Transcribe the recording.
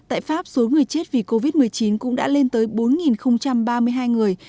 tại pháp số người chết vì covid một mươi chín cũng đã lên tới bốn ba mươi hai người